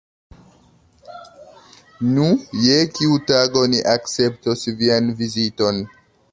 Nu, je kiu tago ni akceptos vian viziton?